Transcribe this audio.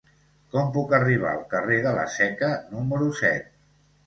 Com puc arribar al carrer de la Seca número set?